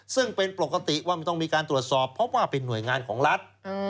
ซึ่งเป็นปกติว่ามันต้องมีการตรวจสอบเพราะว่าเป็นหน่วยงานของรัฐ